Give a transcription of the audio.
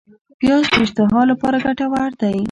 پیاز د اشتها لپاره ګټور دی